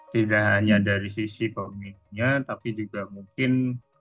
tidak hanya dari sisi komiknya tapi juga mungkin